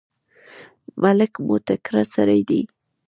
ملک مو تکړه سړی دی.